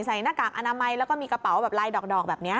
หน้ากากอนามัยแล้วก็มีกระเป๋าแบบลายดอกแบบนี้